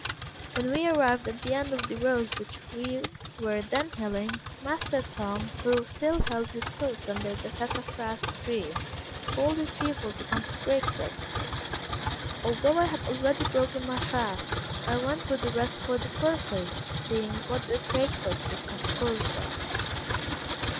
When we arrived at the end of the rows which we were then hilling, master Tom, who still held his post under the sassafras tree, called his people to come to breakfast. Although I had already broken my fast, I went with the rest for the purpose of seeing what their breakfast was composed of.